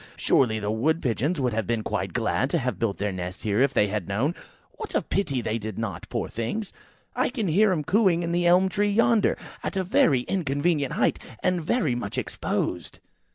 Surely the Wood pigeons would have been quite glad to have built their nests here if they had known. What a pity they did not, poor things! I hear them cooing in the elm tree yonder, at a very inconvenient height, and very much exposed."